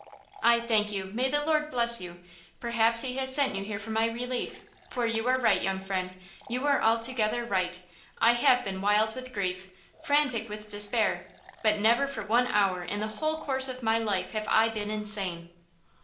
"I thank you; may the Lord bless you! Perhaps he has sent you here for my relief, for you are right, young friend–you are altogether right; I have been wild with grief, frantic with despair, but never for one hour in the whole course of my life have I been insane."